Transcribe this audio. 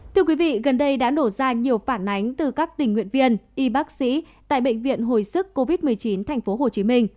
thưa quý vị gần đây đã nổ ra nhiều phản ánh từ các tình nguyện viên y bác sĩ tại bệnh viện hồi sức covid một mươi chín tp hcm